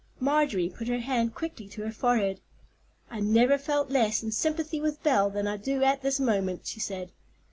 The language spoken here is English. Marjorie put her hand quickly to her forehead. "I never felt less in sympathy with Belle than I do at this moment," she said.